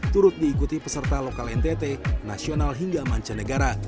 turut diikuti peserta lokal ntt nasional hingga mancanegara